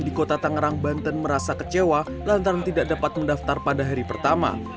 di kota tangerang banten merasa kecewa lantaran tidak dapat mendaftar pada hari pertama